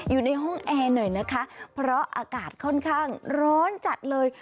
อยู่ในห้องแอร์หน่อยนะคะเพราะอากาศค่อนข้างร้อนจัดเลย